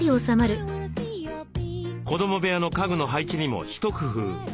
子ども部屋の家具の配置にも一工夫。